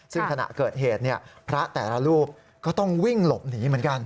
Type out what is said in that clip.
ซึ่งขณะเกิดเหตุพระแต่ละรูปก็ต้องวิ่งหลบหนีเหมือนกัน